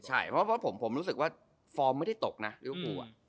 ใช่เพราะผมรู้สึกว่าฟอร์มไม่ได้ตกนะลิเวอร์ฟู